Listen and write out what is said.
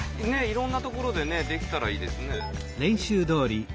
いろんなところでできたらいいですね。